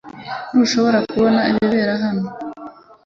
Ntushobora kubona ibibera hano